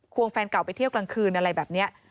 วงแฟนเก่าไปเที่ยวกลางคืนอะไรแบบนี้